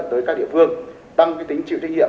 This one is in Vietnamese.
tới các địa phương tăng tính chịu thích hiệu